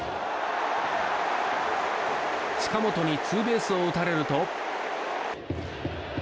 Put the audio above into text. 近本にツーベースを打たれると。